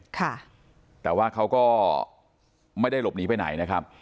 ค่ะแต่ว่าเขาก็ไม่ได้หลบหนีไปไหนนะครับ